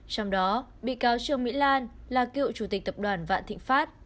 trong đó bị cáo trương mỹ lan là cựu chủ tịch tập đoàn vạn thịnh pháp